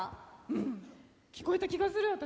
うん聞こえた気がする私。